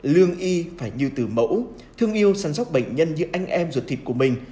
lương y phải như từ mẫu thương yêu sản sóc bệnh nhân như anh em ruột thịt của mình